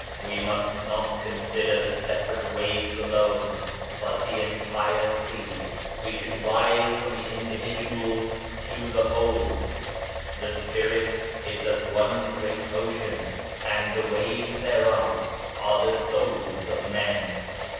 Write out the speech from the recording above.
We must not consider the separate waves alone, but the entire sea. We should rise from the individual to the whole. The Spirit is as one great ocean and the waves thereof are the souls of men.